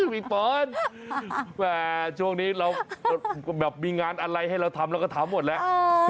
พี่เฟิร์นช่วงนี้เราแบบมีงานอะไรให้เราทำเราก็ทำหมดแล้ว